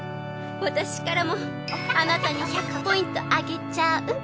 私からもあなたに１００ポイントあげちゃう！